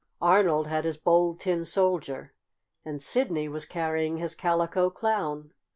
"Arnold had his Bold Tin Soldier, and Sidney was carrying his Calico Clown."